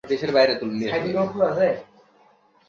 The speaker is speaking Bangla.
নাচতে জানো তো?